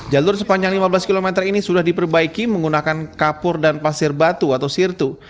jalur sepanjang lima belas km ini sudah diperbaiki menggunakan kapur dan pasir batu atau sirtu